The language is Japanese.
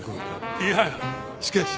いやいやしかし。